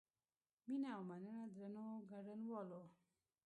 مینه او مننه درنو ګډونوالو.